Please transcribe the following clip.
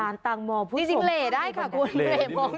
แล้ว